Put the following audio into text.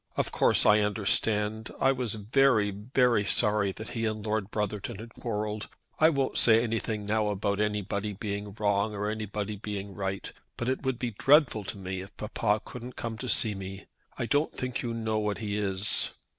"Of course I understand. I was very, very sorry that he and Lord Brotherton had quarrelled. I won't say anything now about anybody being wrong or anybody being right. But it would be dreadful to me if papa couldn't come to see me. I don't think you know what he is."